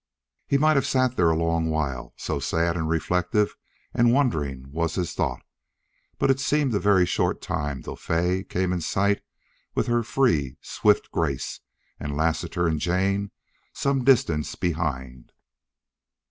He might have sat there a long while, so sad and reflective and wondering was his thought, but it seemed a very short time till Fay came in sight with her free, swift grace, and Lassiter and Jane some distance behind.